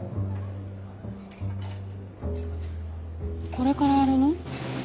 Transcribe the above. これからやるの？